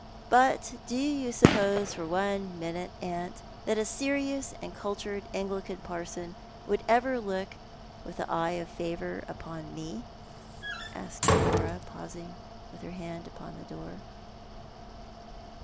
But do you suppose for one moment. Aunt, that a serious and cultured Anglican parson would ever look with the eye of favour upon me?" asked Cora, pausing with her hand upon the door.